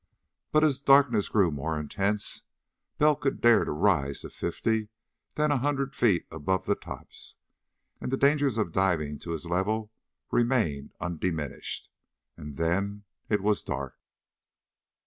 But as darkness grew more intense, Bell could dare to rise to fifty, then a hundred feet above the tops, and the dangers of diving to his level remained undiminished. And then it was dark.